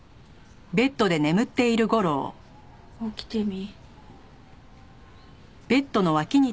起きてみ。